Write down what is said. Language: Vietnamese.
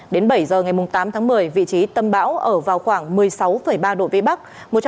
đến bảy giờ ngày tám tháng một mươi vị trí tâm áp thấp nhiệt đới ở vào khoảng một mươi sáu ba độ vĩ bắc